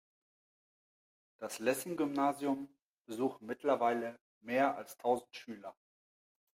Das Lessing-Gymnasium besuchen mittlerweile mehr als tausend Schüler.